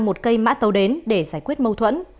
vũ đã gây mã tàu đến để giải quyết mâu thuẫn